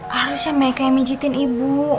harusnya meka yang pijetin ibu